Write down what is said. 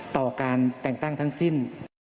ต่อการแต่งตั้งทั้งสิ้น